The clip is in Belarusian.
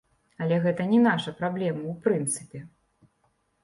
Але гэта не наша праблема, у прынцыпе.